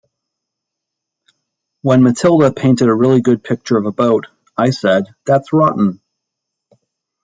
When Matilda painted a really good picture of a boat, I said, 'That's wroughten.